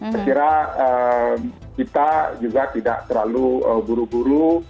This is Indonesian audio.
saya kira kita juga tidak terlalu buru buru